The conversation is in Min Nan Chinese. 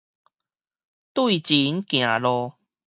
對繩行路